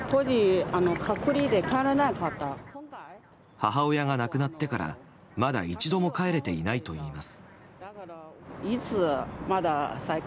母親が亡くなってからまだ一度も帰れていないといいます。